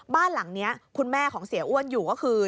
บ้านหลังนี้คุณแม่ของเสียอ้วนอยู่ก็คือ